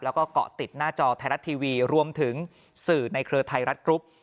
แล้วก็เกาะติดหน้าจอไทยรัฐทีวีรวมถึงสื่อในเครือไทยรัฐกรุ๊ป